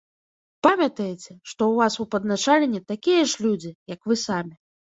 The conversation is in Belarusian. Памятаеце, што ў вас у падначаленні такія ж людзі, як вы самі.